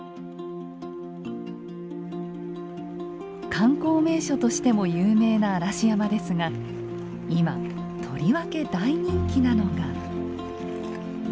観光名所としても有名な嵐山ですが今とりわけ大人気なのが。